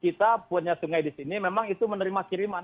kita punya sungai di sini memang itu menerima kiriman